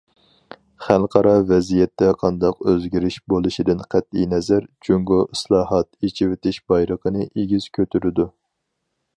خەلقئارا ۋەزىيەتتە قانداق ئۆزگىرىش بولۇشىدىن قەتئىينەزەر، جۇڭگو ئىسلاھات، ئېچىۋېتىش بايرىقىنى ئېگىز كۆتۈرىدۇ.